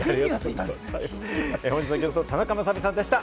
本日のゲスト・田中雅美さんでした。